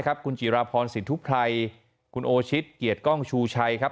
คุณจิราพรสินทุไพรคุณโอชิตเกียรติกล้องชูชัยครับ